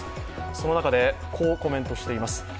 その中で、こうコメントしています